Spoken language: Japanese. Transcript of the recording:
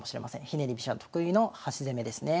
ひねり飛車特有の端攻めですね。